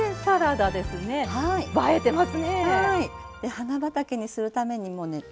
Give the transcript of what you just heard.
花畑にするためにもね